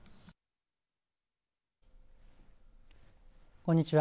こんにちは。